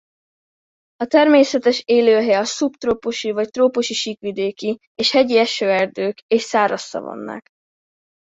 A természetes élőhelye a szubtrópusi vagy trópusi síkvidéki és hegyi esőerdők és száraz szavannák.